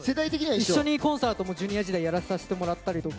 一緒にコンサートもＪｒ．時代もやらせてもらったりとか。